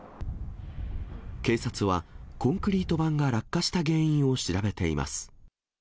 警察はコンクリート板が落下した原因を調べています。